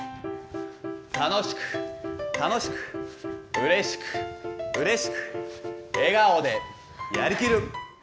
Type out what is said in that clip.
楽しく、楽しく、うれしく、うれしく、笑顔でやりきる。